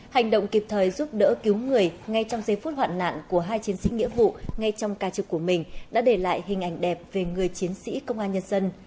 hành động kịp thời giúp đỡ cứu người ngay trong giây phút hoạn nạn của hai chiến sĩ nghĩa vụ ngay trong ca trực của mình đã để lại hình ảnh đẹp về người chiến sĩ công an nhân dân